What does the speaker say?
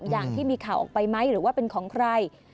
อย่างที่มีข่าวออกไปไหมหรือว่าเป็นของใคร